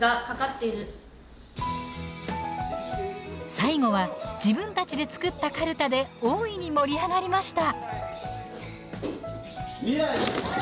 最後は自分たちで作ったかるたで大いに盛り上がりました。